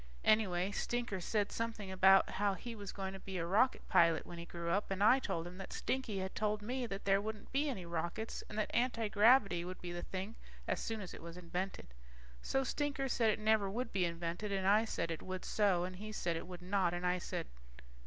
Anyway, Stinker said something about how he was going to be a rocket pilot when he grew up, and I told him that Skinny had told me that there wouldn't be any rockets, and that antigravity would be the thing as soon as it was invented. So Stinker said it never would be invented, and I said it would so, and he said it would not, and I said